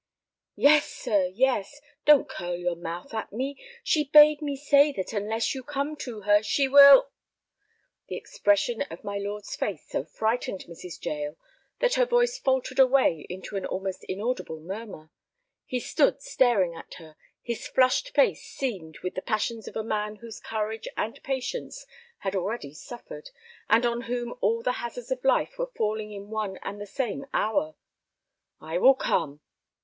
"Yes, sir; yes—don't curl your mouth at me. She bade me say that unless you come to her, she will—" The expression of my lord's face so frightened Mrs. Jael that her voice faltered away into an almost inaudible murmur. He stood staring at her, his flushed face seamed with the passions of a man whose courage and patience had already suffered, and on whom all the hazards of life were falling in one and the same hour. "I will come."